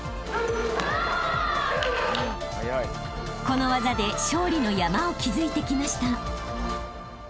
［この技で勝利の山を築いてきました］